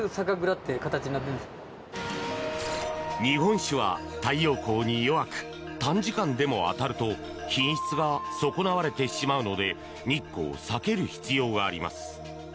日本酒は太陽光に弱く短時間でも当たると品質が損なわれてしまうので日光を避ける必要があります。